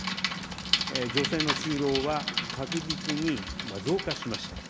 女性の就労は確実に増加しました。